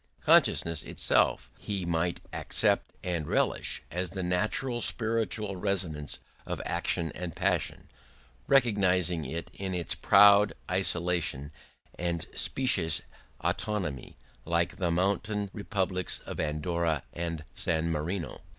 Consciousness itself he might accept and relish as the natural spiritual resonance of action and passion, recognising it in its proud isolation and specious autonomy, like the mountain republics of Andorra and San Marino.